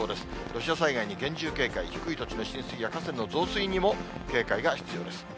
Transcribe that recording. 土砂災害に厳重警戒、低い土地の浸水や河川の増水にも警戒が必要です。